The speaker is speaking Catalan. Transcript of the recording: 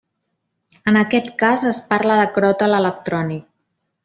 En aquest cas es parla de cròtal electrònic.